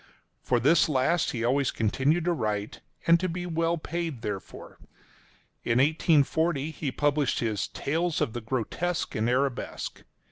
For this last he always continued to write, and to be well paid therefor. In 1840, he published his "Tales of the Grotesque and Arabesque."